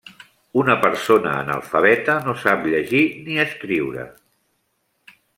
Una persona analfabeta no sap llegir ni escriure.